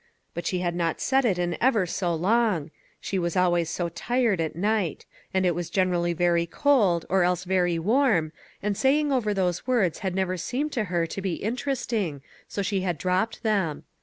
But she had not said it in ever so long; she was always so tired at night; and it was gen erally very cold, or else very warm, and saying over those words had never seemed to her to be interesting, so she had dropped them.